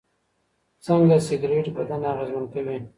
څنګه سګریټ بدن اغېزمن کوي؟